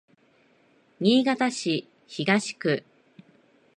新潟市東区